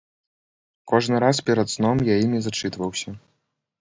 Кожны раз перад сном я імі зачытваўся.